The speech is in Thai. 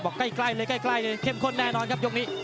ใกล้เลยใกล้เลยเข้มข้นแน่นอนครับยกนี้